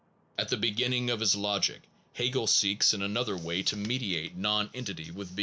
At the beginning of his logic Hegel seeks in another way to mediate nonentity with being.